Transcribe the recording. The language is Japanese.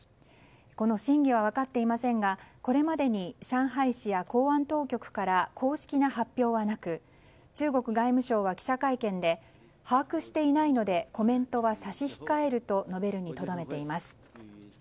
この真偽は分かっていませんがこれまでに上海市や公安当局から公式な発表はなく中国外務省は記者会見で把握していないのでコメントは差し控えると述べるにとどめています。